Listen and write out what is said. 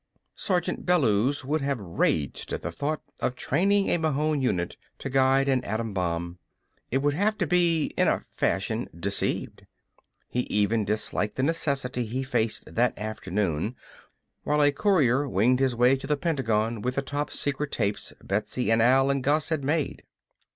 Sergeant Bellews would have raged at the thought of training a Mahon unit to guide an atom bomb. It would have to be in a fashion deceived. He even disliked the necessity he faced that afternoon while a courier winged his way to the Pentagon with the top secret tapes Betsy and Al and Gus had made.